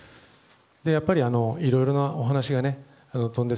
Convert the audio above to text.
やっぱり、いろいろなお話が。